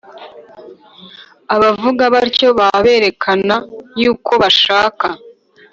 Abavuga batyo baba berekana yuko bashaka